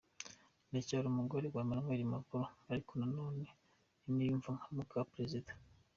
Ndacyari umugore wa Emmanuel Macron ariko nanone siniyumva nka muka perezida.